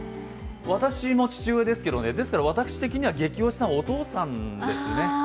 私も父親ですけどね、ですから私的にはゲキ推しさんはお父さんですね。